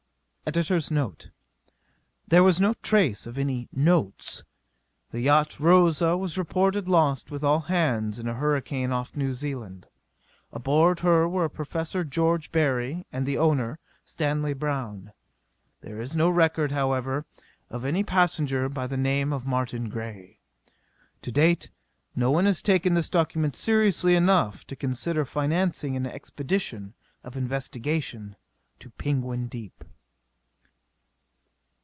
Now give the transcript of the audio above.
(Editor's note: There was no trace of any "notes." The yacht, Rosa, was reported lost with all hands in a hurricane off New Zealand. Aboard her were a Professor George Berry and the owner, Stanley Browne. There is no record, however, of any passenger by the name of Martin Grey. To date no one has taken this document seriously enough to consider financing an expedition of investigation to Penguin Deep.)